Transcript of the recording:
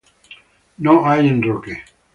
No hay enroque.